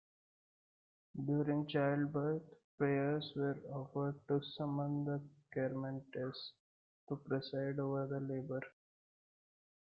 During childbirth, prayers were offered to summon the Carmentes to preside over the labor.